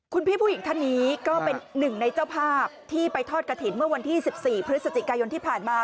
คุณพี่ผู้หญิงท่านนี้ก็เป็นหนึ่งในเจ้าภาพที่ไปทอดกระถิ่นเมื่อวันที่๑๔พฤศจิกายนที่ผ่านมา